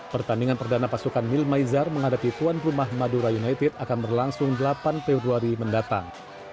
pertandingan perdana pasukan milmaizar menghadapi tuan rumah madura united akan berlangsung delapan februari mendatang